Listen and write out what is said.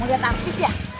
mau lihat artis ya